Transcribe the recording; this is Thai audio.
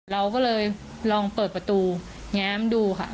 เราก็เลยลองเปิดประตูแง้มดูค่ะ